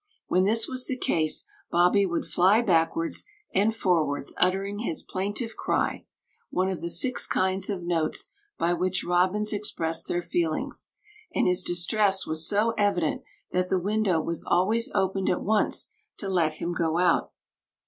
When this was the case Bobbie would fly backwards and forwards uttering his plaintive cry (one of the six kinds of notes by which robins express their feelings), and his distress was so evident that the window was always opened at once to let him go out.